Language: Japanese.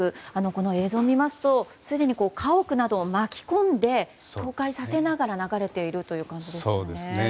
映像を見ますとすでに家屋などを巻き込んで倒壊させながら流れているという感覚ですね。